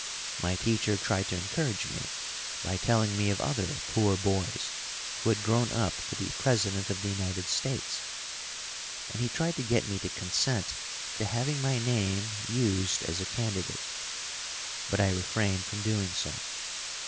My teacher tried to encourage me by telling me of other poor boys who had grown up to be president of the United States, and he tried to get me to consent to having my name used as a candidate; but I refrained from doing so.